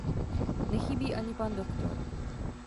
Nechybí ani pan doktor.